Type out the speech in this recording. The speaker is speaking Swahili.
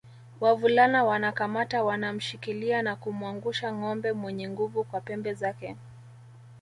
Wavulana wanakamata wanamshikilia na kumwangusha ngombe mwenye nguvu kwa pembe zake